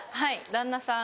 旦那さん